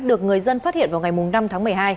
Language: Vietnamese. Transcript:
được người dân phát hiện vào ngày năm tháng một mươi hai